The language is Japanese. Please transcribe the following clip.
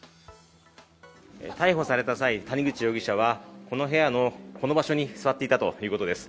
逮捕された際、谷口容疑者はこの部屋のこの場所に座っていたということです。